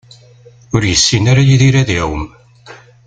Ur yessin ara Yidir ad iɛumm.